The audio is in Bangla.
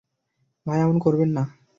ভাই, এমন করবেন না।